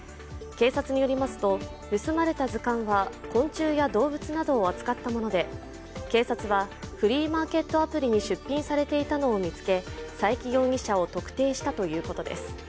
警察によりますと、盗まれた図鑑は昆虫や動物などを扱ったもので警察はフリーマーケットアプリに出品されていたのを見つけ佐伯容疑者を特定したということです。